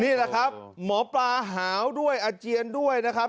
นี่แหละครับหมอปลาหาวด้วยอาเจียนด้วยนะครับ